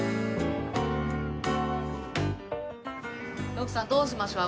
徳さんどうしましょう？